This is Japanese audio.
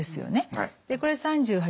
これ３８